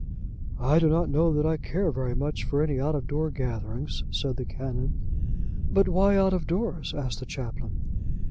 "I do not know that I care very much for any out of door gatherings," said the Canon. "But why out of doors?" asked the Chaplain.